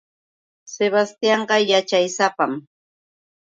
Sebastianqa yaćhaysapam.